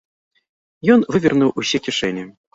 Ён вывернуў усе кішэні.